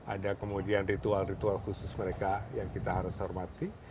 ada kemudian ritual ritual khusus mereka yang kita harus hormati